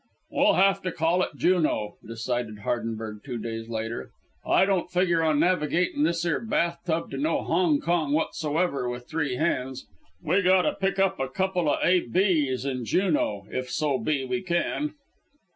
"We'll have to call at Juneau," decided Hardenberg two days later. "I don't figure on navigating this 'ere bath tub to no Hongkong whatsoever, with three hands. We gotta pick up a couple o' A.B.'s in Juneau, if so be we can."